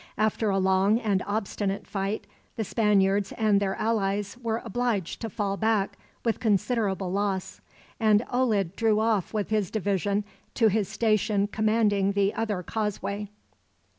After a long and obstinate fight, the Spaniards and their allies were obliged to fall back, with considerable loss; and Olid drew off with his division to his station commanding the other causeway.